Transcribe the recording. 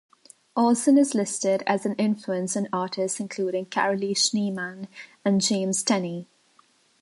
Olson is listed as an influence on artists including Carolee Schneemann and James Tenney.